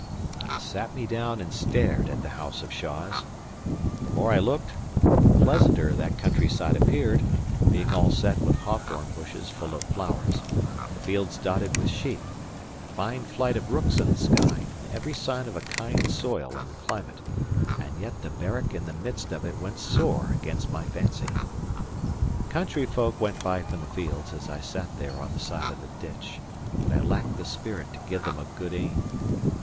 I sat me down and stared at the house of Shaws. The more I looked, the pleasanter that country side appeared; being all set with hawthorn bushes full of flowers; the fields dotted with sheep; a fine flight of rooks in the sky; and every sign of a kind soil and climate; and yet the barrack in the midst of it went sore against my fancy. Country folk went by from the fields as I sat there on the side of the ditch, but I lacked the spirit to give them a good e'en.